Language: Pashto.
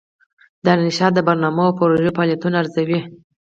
دارالانشا د برنامو او پروژو فعالیتونه ارزوي.